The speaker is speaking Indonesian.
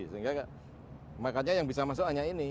sehingga makanya yang bisa masuk hanya ini